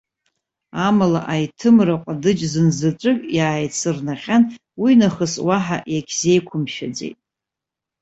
Амала, аиҭымра ҟадыџь зынзаҵәык иааицырнаҟьан, уинахыс уаҳа иагьзеиқәымшәаӡеит.